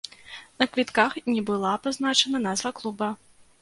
На квітках не была пазначана назва клуба.